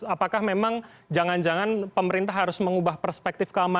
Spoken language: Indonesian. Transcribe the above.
apakah memang jangan jangan pemerintah harus mengubah perspektif keamanan